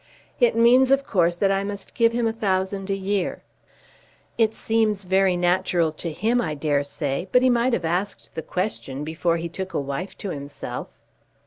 It means, of course, that I must give him a thousand a year. It seems very natural to him, I dare say, but he might have asked the question before he took a wife to himself."